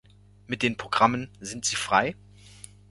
Mit den Programmen "Sind Sie frei?